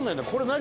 何？